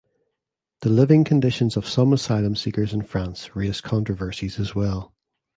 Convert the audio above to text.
The living conditions of some asylum seekers in France raised controversies as well.